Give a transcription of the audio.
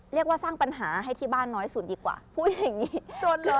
เรียกว่าสร้างปัญหาให้ที่บ้านน้อยสุดดีกว่าพูดอย่างนี้